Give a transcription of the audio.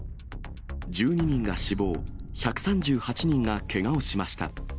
１２人が死亡、１３８人がけがをしました。